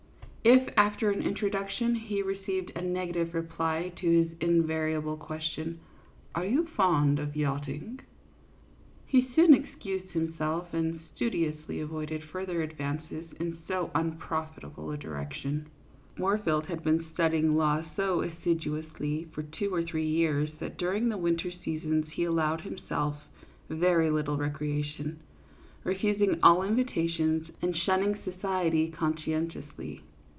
If, after an introduction, he received a negative reply to his invariable question, " Are you fond of yachting ?" he soon excused himself, and studiously avoided further advances in so un profitable a direction. Moorfield had been studying law so assiduously for two or three years that during the winter seasons he allowed himself very little recreation, refusing all invitations, and shunning society conscientiously.